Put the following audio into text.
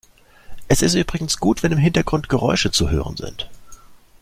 Es ist übrigens gut, wenn im Hintergrund Geräusche zu hören sind.